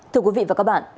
thưa quý vị và các bạn